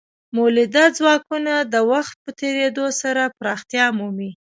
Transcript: مؤلده ځواکونه د وخت په تیریدو سره پراختیا مومي.